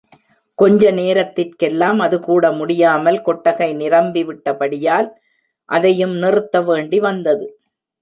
கொஞ்ச நேரத்திற்கெல்லாம் அதுகூட முடியாமல், கொட்டகை நிரம்பிவிட்டபடியால் அதையும் நிறுத்த வேண்டி வந்தது.